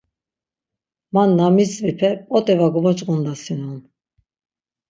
Man na mitzvipe p̌ot̆e va gomoç̌ǩondasinon.